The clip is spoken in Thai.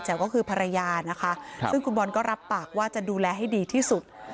ก็คือภรรยานะคะซึ่งคุณบอลก็รับปากว่าจะดูแลให้ดีที่สุด